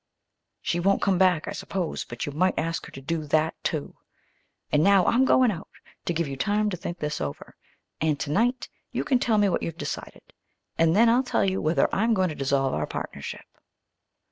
She won't come back, I suppose, but you might ask her to do that, too. And now I'm going out, to give you time to think this over. And tonight you can tell me what you've decided. And then I'll tell you whether I'm going to dissolve our partnership.